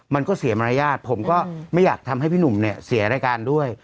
มันก็เสียมารยาทผมก็ไม่อยากทำให้พี่หนุ่มเนี่ยเสียรายการด้วย